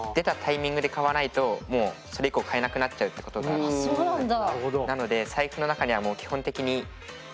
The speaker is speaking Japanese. あっそうなんだ。